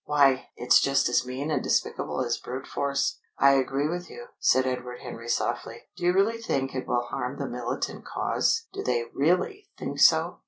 Why, it's just as mean and despicable as brute force." "I agree with you," said Edward Henry softly. "Do you really think it will harm the militant cause? Do they really think so?